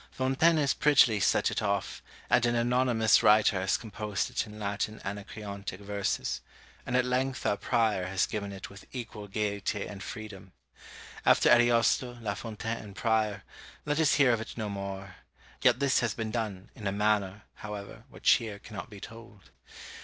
Fontaine has prettily set it off, and an anonymous writer has composed it in Latin Anacreontic verses; and at length our Prior has given it with equal gaiety and freedom. After Ariosto, La Fontaine, and Prior, let us hear of it no more; yet this has been done, in a manner, however, which here cannot be told.